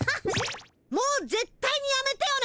もうぜっ対にやめてよね！